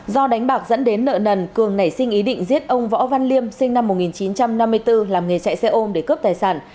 do đánh bạc dẫn đến nợ nần cường nảy sinh ý định giết ông võ văn liêm sinh năm một nghìn chín trăm năm mươi bốn làm nghề chạy xe ôm để cướp tài sản